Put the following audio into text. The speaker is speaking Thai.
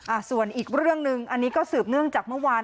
ส่วนอีกเรื่องหนึ่งอันนี้ก็สืบเนื่องจากเมื่อวาน